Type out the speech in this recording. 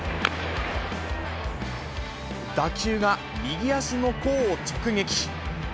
打球が右足の甲を直撃。